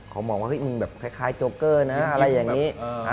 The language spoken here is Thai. มองว่ามึงคล้ายโจ๊กเกอร์นะอะไรอย่างนี้